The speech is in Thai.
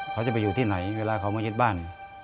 เขาจะไปอยู่ที่ไหนเวลาเขามายึดบ้าน